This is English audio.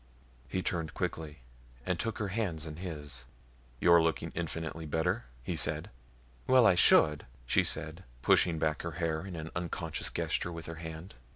He turned quickly and took her hands in his. "You're looking infinitely better," he said. "Well, I should," she said, pushing back her hair in an unconscious gesture with her hand.